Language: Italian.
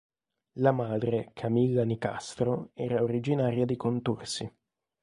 La madre, Camilla Nicastro, era originaria di Contursi.